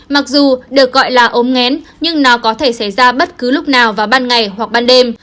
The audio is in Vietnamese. mặc dù được gọi là ốm ngén nhưng nó có thể xảy ra bất cứ lúc nào vào ban ngày hoặc ban đêm